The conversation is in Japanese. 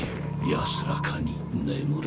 安らかに眠れ・